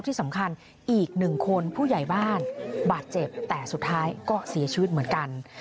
แต่สุดท้ายก็เสียชีวิตเหมือนกัน